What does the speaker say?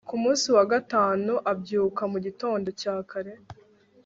ku munsi wa gatanu abyuka mu gitondo cya kare